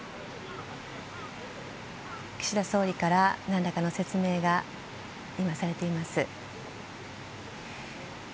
岸田総理から何らかの説明が今、されています。